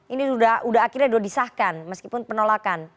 ini sudah akhirnya sudah disahkan meskipun penolakan